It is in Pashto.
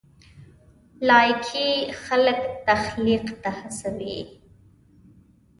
لایکي خلک تخلیق ته هڅوي.